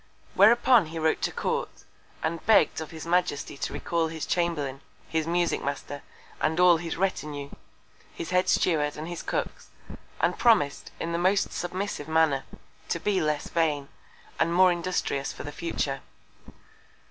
Whereupon he wrote to Court, and begg'd of his Majesty to recal his Chamberlain, his Musick Master, and all his Retinue, his Head Steward and his Cooks, and promis'd, in the most submissive Manner, to be less vain, and more industrious for the future.